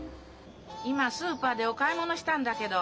今スーパーでお買い物したんだけど。